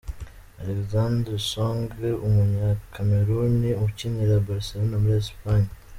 Alexander Song, umunyakameruni ukinira Barcelona muri Esipanye.